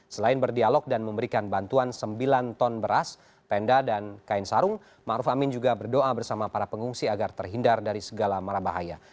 selain berdialog dan memberikan bantuan sembilan ton beras tenda dan kain sarung ⁇ maruf ⁇ amin juga berdoa bersama para pengungsi agar terhindar dari segala marabahaya